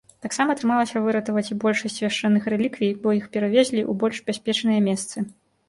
Таксама атрымалася выратаваць і большасць свяшчэнных рэліквій, бо іх перавезлі у больш бяспечныя месцы.